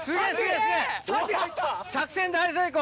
作戦大成功！